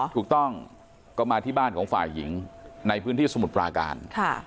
ถูกต้องก็มาที่บ้านของฝ่ายหญิงในพื้นที่สมุทรปราการ